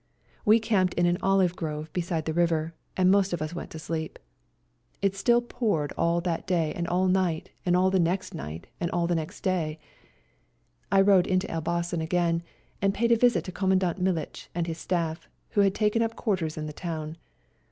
We camped in an olive grove beside the river, and most of us went to sleep. It L2 152 ELBASAN still poured all that day and all night and all the next night and all the next day. I rode into Elbasan again, and paid a visit to Commandant Militch and his staff, who had taken up quarters in the town.